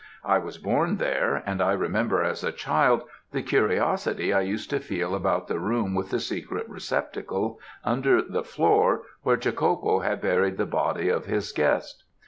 I was born there, and I remember as a child the curiosity I used to feel about the room with the secret receptacle under the floor where Jacopo had buried the body of his guest.